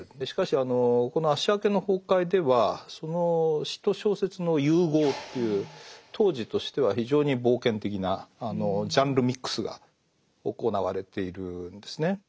しかしこの「アッシャー家の崩壊」ではその詩と小説の融合という当時としては非常に冒険的なジャンルミックスが行われているんですね。